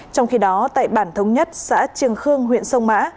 trong khi đó tại bản thống nhất xã trường khương huyện sông mã